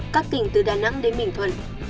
các tỉnh từ đà nẵng đến bình thuận